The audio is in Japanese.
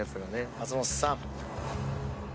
松本さん。